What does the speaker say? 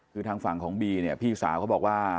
คือทางฝั่งของบีเนี่ยพี่สาวเขาบอกว่า